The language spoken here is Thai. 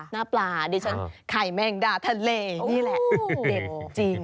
หน้าปลาดิฉันไข่แมงดาทะเลนี่แหละเด็ดจริง